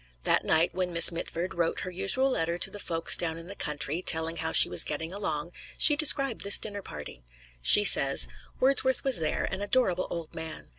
That night when Miss Mitford wrote her usual letter to the folks down in the country, telling how she was getting along, she described this dinner party. She says: "Wordsworth was there an adorable old man.